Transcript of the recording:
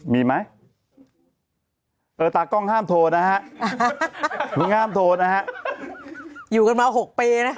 มีไหมเออตากล้องห้ามโทรนะฮะมีห้ามโทรนะฮะอยู่กันมา๖ปีนะฮะ